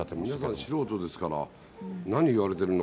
素人ですから、何言われているのか